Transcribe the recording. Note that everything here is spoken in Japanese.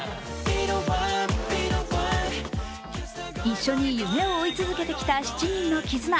一緒に夢を追い続けてきた７人の絆。